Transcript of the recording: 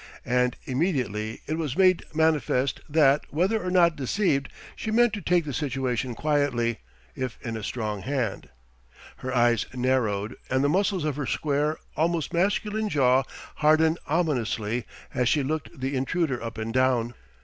And immediately it was made manifest that, whether or not deceived, she meant to take the situation quietly, if in a strong hand. Her eyes narrowed and the muscles of her square, almost masculine jaw hardened ominously as she looked the intruder up and down.